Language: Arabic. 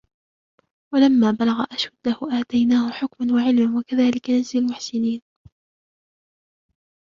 وَلَمَّا بَلَغَ أَشُدَّهُ آتَيْنَاهُ حُكْمًا وَعِلْمًا وَكَذَلِكَ نَجْزِي الْمُحْسِنِينَ